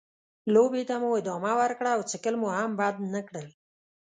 لوبې ته مو ادامه ورکړه او څښل مو هم بند نه کړل.